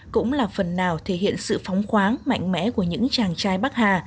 cũng là phần nào thể hiện sự phóng khoáng mạnh mẽ của những chàng trai bắc hà